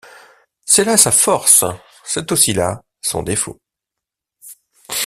C’est là sa force ; c’est aussi là son défaut.